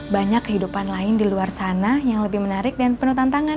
banyak kehidupan lain di luar sana yang lebih menarik dan penuh tantangan